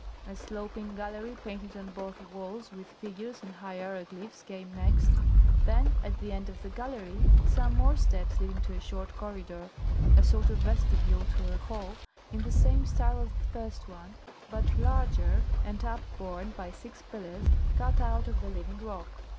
A sloping gallery painted on both walls with figures and hieroglyphs came next, then at the end of the gallery some more steps leading to a short corridor, a sort of vestibule to a hall in the same style as the first one, but larger and upborne by six pillars cut out of the living rock.